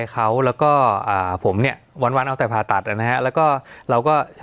สวัสดีครับทุกผู้ชม